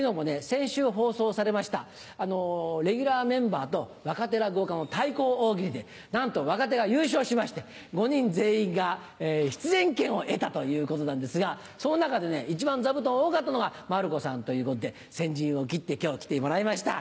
先週放送されましたレギュラーメンバーと若手落語家の対抗大喜利でなんと若手が優勝しまして５人全員が出演権を得たということなんですがその中で一番座布団多かったのが馬るこさんということで先陣を切って今日来てもらいました。